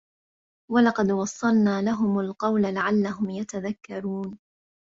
وَلَقَدْ وَصَّلْنَا لَهُمُ الْقَوْلَ لَعَلَّهُمْ يَتَذَكَّرُونَ